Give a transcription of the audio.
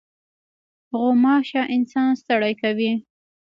غوماشه انسان ستړی کوي.